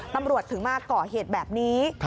ตำรวจถึงมาก่อเหตุแบบนี้